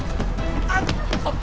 あっ！